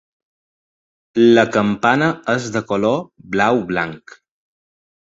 La campana és de color blau-blanc.